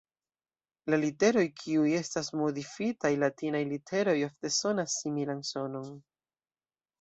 La literoj kiuj estas modifitaj latinaj literoj ofte signifas similan sonon.